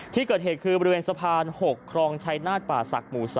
ที่เกิดเหตุคือบริเวณสะพาน๖ครองชัยนาฏป่าศักดิ์หมู่๒